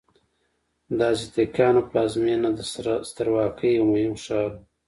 د ازتکانو پلازمینه د سترواکۍ یو مهم ښار و.